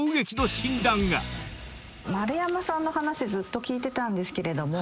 丸山さんの話ずっと聞いてたんですけれども。